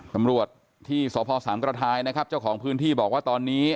ตำรวจที่สพสามกระทายนะครับเจ้าของพื้นที่บอกว่าตอนนี้